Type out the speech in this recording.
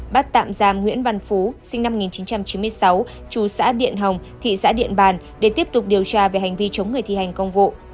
bắt tạm giam nguyễn văn phú sinh năm một nghìn chín trăm chín mươi sáu chú xã điện hồng thị xã điện bàn để tiếp tục điều tra về hành vi chống người thi hành công vụ